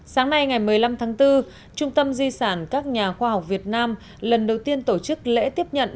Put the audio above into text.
sáng nay ngày một mươi năm tháng bốn trung tâm di sản các nhà khoa học việt nam lần đầu tiên tổ chức lễ tiếp nhận